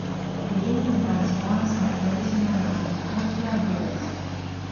Livigno was once a traditional and cultural village.